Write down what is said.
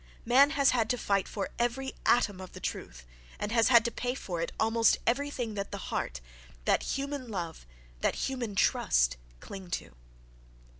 Man has had to fight for every atom of the truth, and has had to pay for it almost everything that the heart, that human love, that human trust cling to.